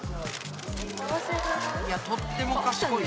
いやとっても賢いよ。